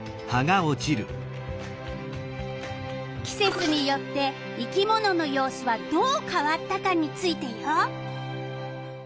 季節によって生き物の様子はどう変わったかについてよ。